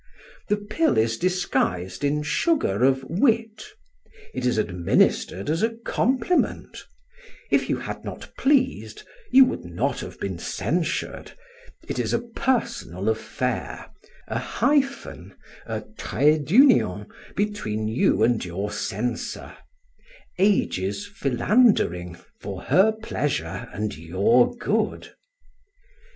The pill is disguised in sugar of wit; it is administered as a compliment if you had not pleased, you would not have been censured; it is a personal affair a hyphen, a trait d'union, between you and your censor; age's philandering, for her pleasure and your good.